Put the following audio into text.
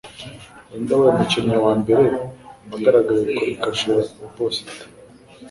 Ninde Wabaye Umukinnyi wa mbere wagaragaye kuri kashe ya posita